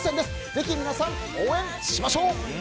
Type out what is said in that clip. ぜひ皆さん応援しましょう！